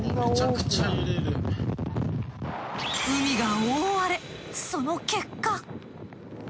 海が大荒れその結果。